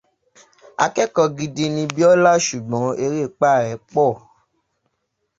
Akẹ́kọ̀ọ́ gidi ni Bíọ́lá ṣùgbọ́n eré pá rẹ̀ pọ̀.